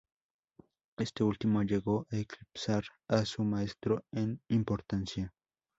Este último llegó a eclipsar a su maestro en importancia.